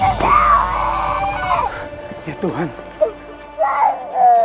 sampai kakinya lumpuh